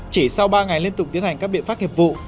chỉ sau ba ngày liên tục tiến hành các biện pháp nghiệp vụ